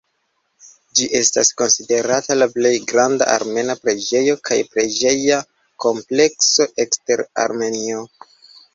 Ĝi estas konsiderata la plej granda armena preĝejo kaj preĝeja komplekso ekster Armenio.